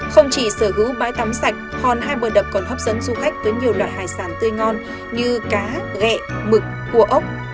không chỉ sở hữu bãi tắm sạch hòn hai bờ đập còn hấp dẫn du khách với nhiều loại hải sản tươi ngon như cá gẹ mực cua ốc